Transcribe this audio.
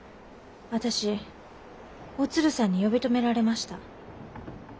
私おつるさんに呼び止められました。